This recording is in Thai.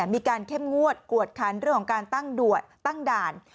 มีการเข้มงวดกวดคันเรื่องของการตั้งด่าน